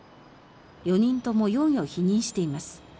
４人とも容疑を否認しています。